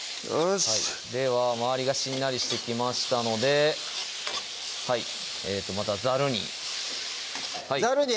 しっでは周りがしんなりしてきましたのでまたザルにザルに！